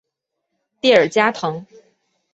蒂尔加滕。